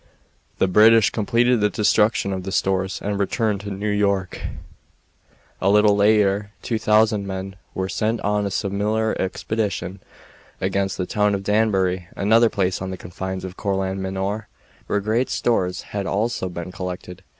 The British completed the destruction of the stores and returned to New York. A little later 2000 men were sent on a similar expedition against the town of Danbury, another place on the confines of Courland Manor, where great stores had also been collected.